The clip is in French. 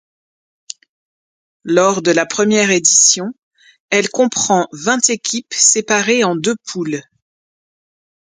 Lors de la première édition, elle comprend vingt équipes séparées en deux poules.